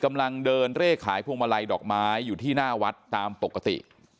กำลังเดินเลขขายพวงมาลัยดอกไม้อยู่ที่หน้าวัดตามปกติ